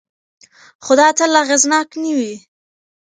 خو دا تل اغېزناک نه وي.